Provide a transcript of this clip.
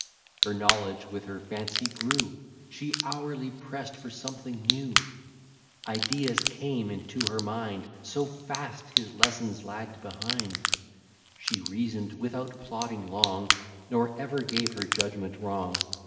Her knowledge with her fancy grew; She hourly press'd for something new; Ideas came into her mind So fast, his lessons lagg'd behind; She reason'd, without plodding long, Nor ever gave her judgment wrong.